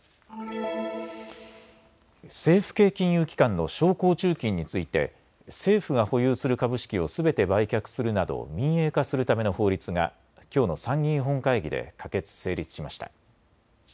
政府系金融機関の商工中金について政府が保有する株式をすべて売却するなど民営化するための法律がきょうの参議院本会議で可決・成立しました。